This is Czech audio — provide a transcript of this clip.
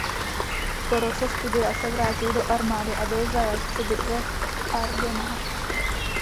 Po roce studia se vrátil do armády a byl zajat při bitvě v Ardenách.